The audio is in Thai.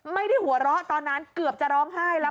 ไม่ได้หัวเราะตอนนั้นเกือบจะร้องไห้แล้ว